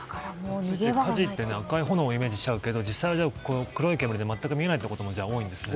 火事って赤い炎をイメージしちゃうけど実際は黒い煙で全く見えないってことも多いんですね。